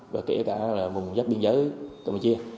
và kể cả là vùng dắt biên giới cộng hòa chia